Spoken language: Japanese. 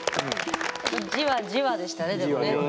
じわじわでしたねでもねやっぱり。